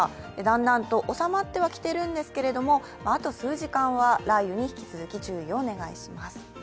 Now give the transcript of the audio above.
だんだんと収まってはきているんですけれどもあと数時間は雷雨に引き続き注意をお願いします。